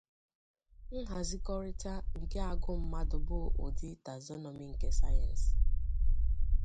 Nhazikọrịta nke-agụmandụ bụ ụdị taxonomy nke-sayensị.